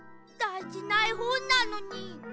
だいじなえほんなのに。